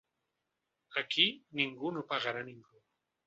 Aquí ningú no pegarà ningú.